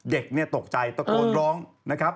เด็กเนี่ยตกใจตะโกนร้องนะครับ